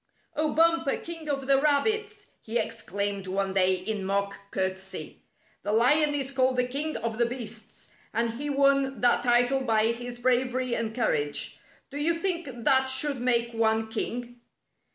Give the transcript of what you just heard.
"Oh, Bumper, King of the rabbits!" he ex claimed one day in mock courtesy. " The Lion is called the King of the beasts, and he won that title by his bravery and courage. Do you think that should make one king?"